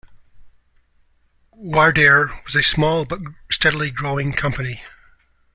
Wardair was a small but steadily growing company.